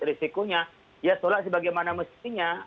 risikonya ya tolak sebagaimana mestinya